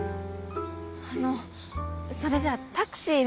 あのそれじゃあタクシーは？